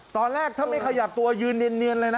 ตอนแรกถ้าไม่ขยับตัวยืนเนียนเลยนะ